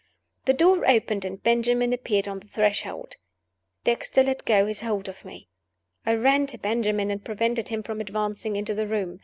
The door opened, and Benjamin appeared on the threshold. Dexter let go his hold of me. I ran to Benjamin, and prevented him from advancing into the room.